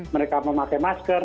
mereka memakai masker